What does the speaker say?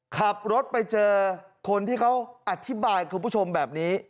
ขับรถไปเจอคนที่เขาอธิบายคุณผู้ชมแบบนี้